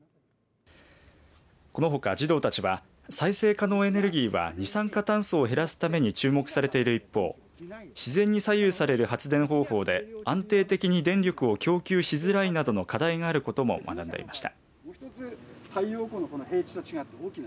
このほか、児童たちは再生可能エネルギーは二酸化炭素を減らすために注目されている一方自然に左右される発電方法で安定的に電力を供給しづらいなどの課題があることを学んでいました。